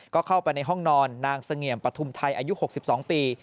ก็เข้าไปในห้องนอนนางเสงี่ยมปฐุมไทยอายุ๖๒ปี